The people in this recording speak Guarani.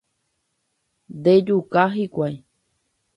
Ndejuka hikuái